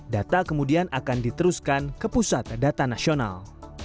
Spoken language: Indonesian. data kemudian akan diteruskan ke pusat data nasional